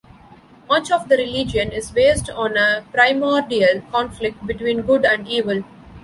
Much of the religion is based on a primordial conflict between good and evil.